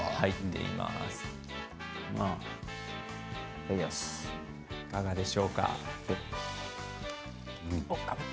いかがでしょうか。